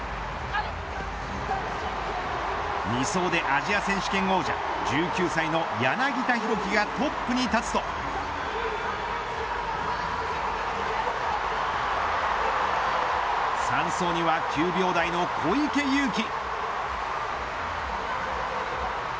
２走でアジア選手権王者１９歳の柳田大輝がトップに立つと３走には９秒台の小池祐貴。